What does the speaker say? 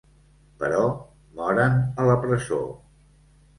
Però moren a la presó.